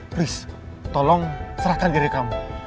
bris tolong serahkan diri kamu